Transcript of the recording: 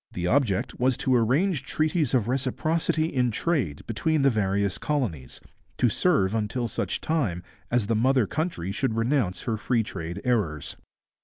The object was to arrange treaties of reciprocity in trade between the various colonies, to serve until such time as the mother country should renounce her free trade errors.